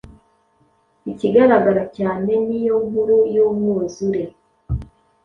Ikigaragara cyane niyonkuru yumwuzure